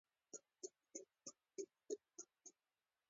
احمدشاه بابا به خپلو دښمنانو ته خبرداری ورکاوه.